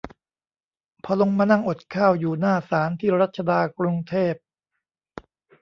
พอลงมานั่งอดข้าวอยู่หน้าศาล ที่รัชดา กรุงเทพ